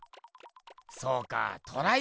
そうかぁトライ